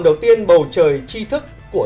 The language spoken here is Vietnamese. đầu tiên bầu trời chi thức của